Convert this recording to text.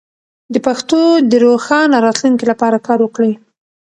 د پښتو د روښانه راتلونکي لپاره کار وکړئ.